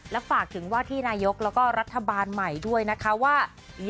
และฝากถึงว่าที่นายกแล้วก็รัฐบาลใหม่ด้วยนะคะว่า